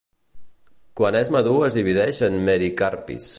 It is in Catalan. Quan és madur es divideix en mericarpis.